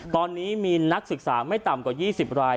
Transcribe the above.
ตอนนี้มีนักศึกษาไม่ต่ำกว่า๒๐ราย